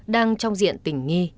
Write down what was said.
đang trong diện tỉnh nghi